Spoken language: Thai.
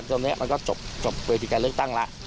จงนี้ก็จบเวตอิกัตเลือกตั้งละ